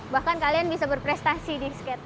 bahkan kalian bisa berprestasi di skate